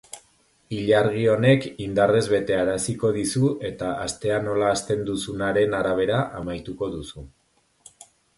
Ilargi honek indarrez betearaziko dizu eta astea nola hasten duzunaren arabera amaituko duzu.